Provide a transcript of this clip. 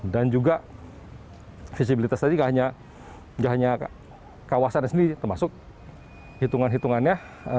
dan juga visibility study gak hanya kawasannya sendiri termasuk hitungan hitungannya